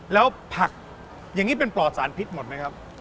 แล้วผักอย่างนี้เป็นปลอดสารพิษหมดไหมครับ